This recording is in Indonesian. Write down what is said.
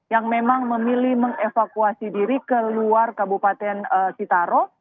yang memang memilih mengevakuasi diri ke luar kabupaten sitaro